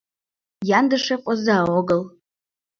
Яндышев оза огыл.